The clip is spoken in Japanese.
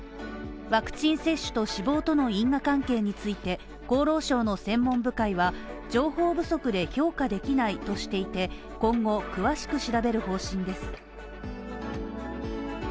ワクチン接種と死亡との因果関係について厚労省の専門部会は情報不足で評価できないとしていて、今後詳しく調べる方針です。